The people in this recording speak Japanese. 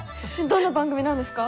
どんな番組なんですか？